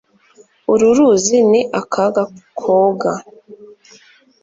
uru ruzi ni akaga koga